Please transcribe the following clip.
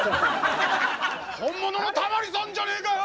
本物のタマリさんじゃねえかよ！